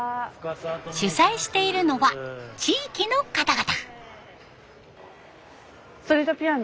主宰しているのは地域の方々。